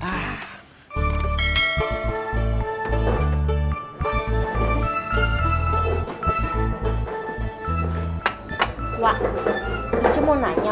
iya kami rasa siap